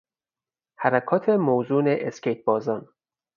حرکات موزون اسکیت بازان